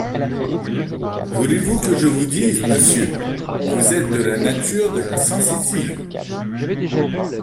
Voulez-vous que je vous dise, monsieur… vous êtes de la nature de la sensitive !